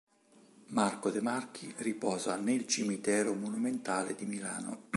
Marco De Marchi riposa nel Cimitero Monumentale di Milano.